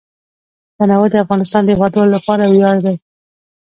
تنوع د افغانستان د هیوادوالو لپاره ویاړ دی.